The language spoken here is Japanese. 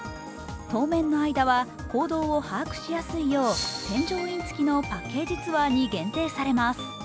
当面の間は行動を把握しやすいよう添乗員付きのパッケージツアーに限定されます。